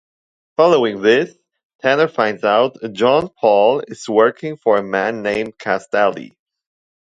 Following this, Tanner finds out Jean-Paul is working for a man named Castaldi.